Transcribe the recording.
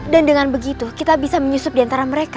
dan dengan begitu kita bisa menyusup diantara mereka